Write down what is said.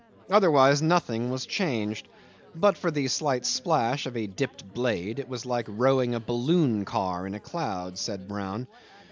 Otherwise nothing was changed, and but for the slight splash of a dipped blade it was like rowing a balloon car in a cloud, said Brown.